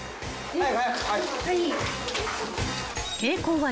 はい。